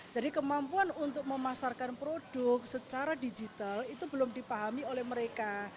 jadi kemampuan untuk memasarkan produk secara digital itu belum dipahami oleh mereka